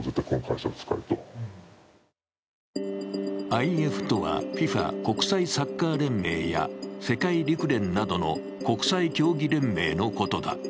ＩＦとは、ＦＩＦＡ＝国際サッカー連盟や世界陸連などの国際競技連盟のことだ。